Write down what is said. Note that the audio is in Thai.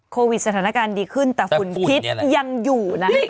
โควิดสถานการณ์ดีขึ้นแต่ฝุ่นพิษยังอยู่นะ